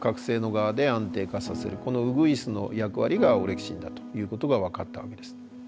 このウグイスの役割がオレキシンだということが分かったわけです。